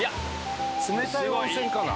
冷たい温泉かな？